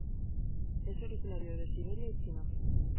Es originario de Siberia y China.